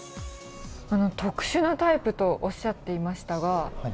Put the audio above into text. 特殊なタイプとおっしゃっていましたが。